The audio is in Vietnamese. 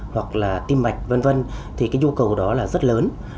hoặc là tim mạch vân vân thì cái nhu cầu đó là rất lớn